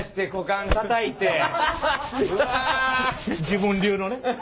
自分流のね。